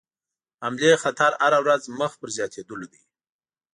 حملې خطر هره ورځ مخ پر زیاتېدلو دی.